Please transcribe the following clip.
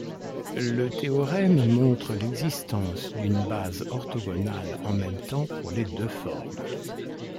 Le théorème montre l'existence d'une base orthogonale en même temps pour les deux formes.